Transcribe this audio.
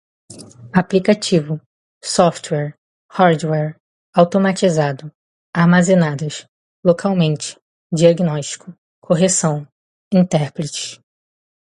aplicativo, software, hardware, automatizado, armazenadas, localmente, diagnóstico, correção, intérpretes